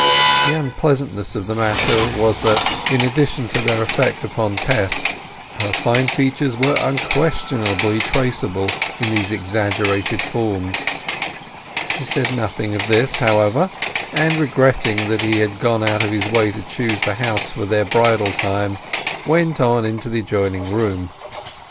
The unpleasantness of the matter was that, in addition to their effect upon Tess, her fine features were unquestionably traceable in these exaggerated forms. He said nothing of this, however, and, regretting that he had gone out of his way to choose the house for their bridal time, went on into the adjoining room.